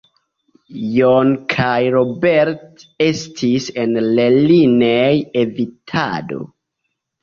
Jon kaj Robert estis en lernej-evitado.